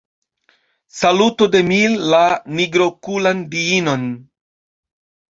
Salutu de mi la nigrokulan diinon.